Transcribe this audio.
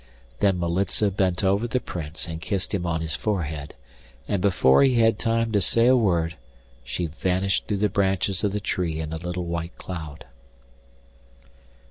Then Militza bent over the Prince and kissed him on his forehead, and before he had time to say a word she vanished through the branches of the tree in a little white cloud.